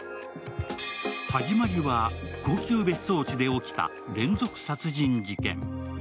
始まりは高級別荘地で起きた連続殺人事件。